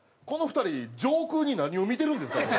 この２人上空に何を見てるんですか？